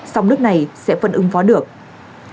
song nước này sẽ phân ứng phó được